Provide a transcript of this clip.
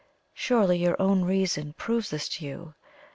Surely your own reason proves this to you?